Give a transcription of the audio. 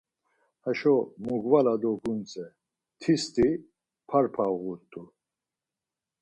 Haşo mugvala do gundze, tisti parpa uğut̆u.